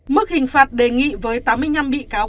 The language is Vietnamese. mức hình phạt đề nghị với tám mươi năm bị cáo